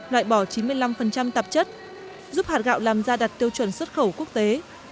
loại bỏ chín mươi năm tạp chất giúp hạt gạo làm ra đặt tiêu chuẩn xuất khẩu quốc tế